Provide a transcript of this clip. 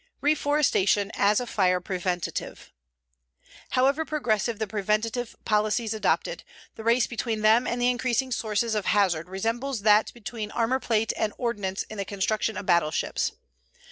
REFORESTATION AS A FIRE PREVENTATIVE However progressive the preventive policies adopted, the race between them and the increasing sources of hazard resembles that between armor plate and ordnance in the construction of battleships.